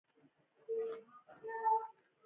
استاد بينوا له خپل ولس سره مینه درلودله.